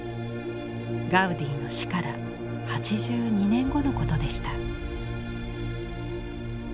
ガウディの死から８２年後のことでした。